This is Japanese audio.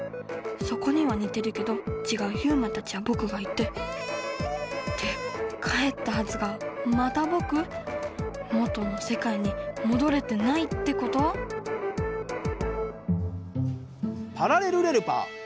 そこにはにてるけどちがうユウマたちやぼくがいてって帰ったはずがまたぼく⁉元のせかいにもどれてないってこと⁉「パラレルレルパー」。